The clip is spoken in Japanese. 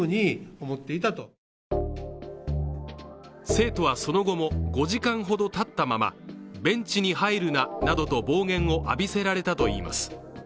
生徒はその後も５時間ほど立ったままベンチに入るななどと暴言を浴びせられたといいます。